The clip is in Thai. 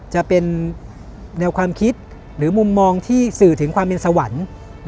จะเป็นแนวความคิดหรือมุมมองที่สื่อถึงความเป็นสวรรค์